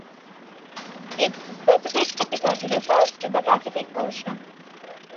Its specific epithet refers to the Pacific Ocean.